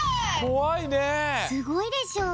すごいでしょ？